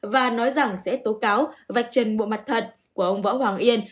và nói rằng sẽ tố cáo vạch chân mụ mặt thật của ông võ hoàng yên